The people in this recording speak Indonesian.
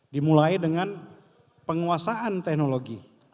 dimulai dengan penguasaan teknologi